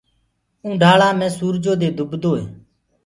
اونڍآݪآ مي سورجو دي دُبدوئي۔